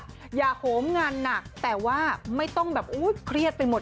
อย่าโหมงานหนักแต่ว่าไม่ต้องแบบอุ้ยเครียดไปหมด